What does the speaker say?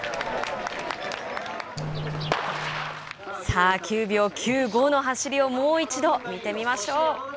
さあ９秒９５の走りをもう一度、見てみましょう。